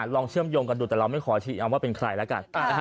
เชื่อมโยงกันดูแต่เราไม่ขอชี้เอาว่าเป็นใครแล้วกัน